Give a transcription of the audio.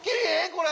これ。